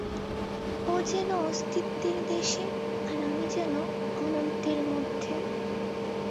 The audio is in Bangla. ও যেন অস্তিত্বের দেশে আর আমি যেন অনন্তের মধ্যে।